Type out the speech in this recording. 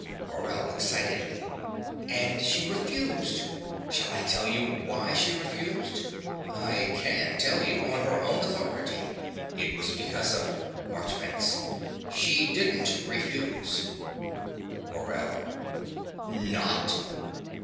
MORELL (excitedly). And she refused. Shall I tell you why she refused? I CAN tell you, on her own authority. It was because of MARCHBANKS. She didn't refuse. MORELL. Not!